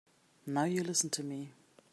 Now you listen to me.